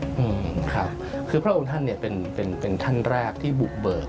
ครับคือพระองค์ท่านเป็นท่านแรกที่บุกเบิก